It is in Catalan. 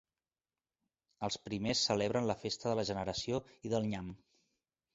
Els primers celebren la festa de la generació i del nyam.